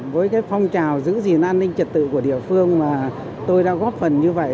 với phong trào giữ gìn an ninh trật tự của địa phương mà tôi đã góp phần như vậy